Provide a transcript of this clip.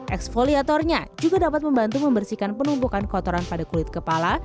eksfoliatornya juga dapat membantu membersihkan penumpukan kotoran pada kulit kepala